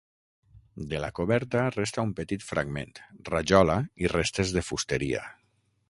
De la coberta, resta un petit fragment, rajola i restes de fusteria.